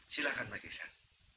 silahkan pak iksan